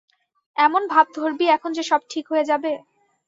এমন ভাব ধরবি এখন যে সব ঠিক হয়ে যাবে?